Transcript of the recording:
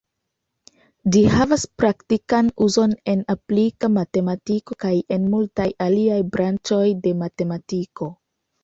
Ĝi havas praktikan uzon en aplika matematiko kaj en multaj aliaj branĉoj de matematiko.